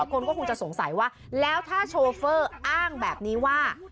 คนก็คงจะสงสัยว่าแล้วถ้าโชเฟอร์อ้างแบบนี้ว่า